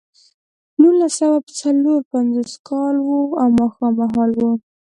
نولس سوه څلور پنځوس کال و او ماښام مهال و